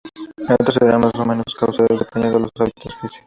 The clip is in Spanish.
Estos serán más o menos acusados dependiendo de los hábitos físicos.